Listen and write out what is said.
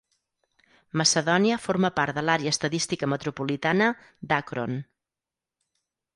Macedonia forma part de l'Àrea Estadística Metropolitana d'Akron.